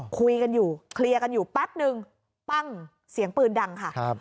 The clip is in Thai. คุยกันอยู่เคลียร์กันอยู่แป๊บนึงปั้งเสียงปืนดังค่ะ